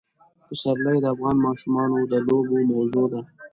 پسرلی د افغان ماشومانو د لوبو موضوع ده.